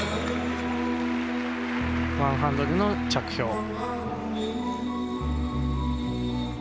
ワンハンドルの着氷。